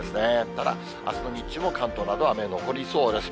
ただ、あすの日中も関東などは雨残りそうです。